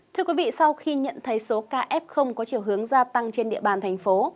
thưa quý vị sau khi nhận thấy số kf có chiều hướng gia tăng trên địa bàn thành phố